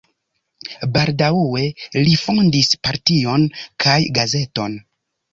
Baldaŭe li fondis partion kaj gazeton.